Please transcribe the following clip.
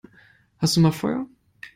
Hast du mal Feuer?